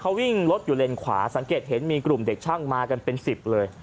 เขาวิ่งรถอยู่เลนขวาสังเกตเห็นมีกลุ่มเด็กช่างมากันเป็นสิบเลย